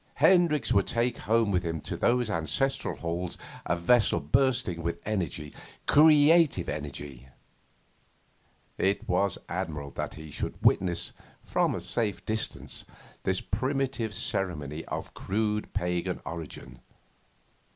Hendricks would take home with him to those ancestral halls a vessel bursting with energy creative energy. It was admirable that he should witness from a safe distance this primitive ceremony of crude pagan origin.